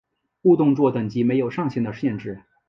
误动作等级没有上限的限制。